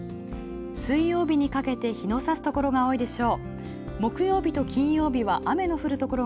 水曜日にかけて日のさすところが多いでしょう。